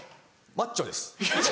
マッチョです。